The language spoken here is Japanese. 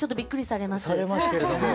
されますけれども。